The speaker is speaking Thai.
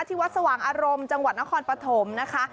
ที่วัดสว่างอารมณ์จังหวัดนครปฐมนะคะ